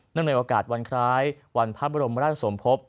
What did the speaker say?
ในโอกาสวันคล้ายวันพระบรมราชสมภพ